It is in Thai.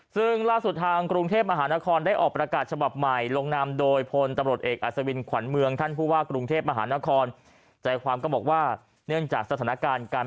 ซึ่งล่าสุดทางกรุงเทพรมหานคร